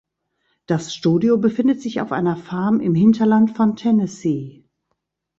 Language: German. Das Studio befindet sich auf einer Farm im Hinterland von Tennessee.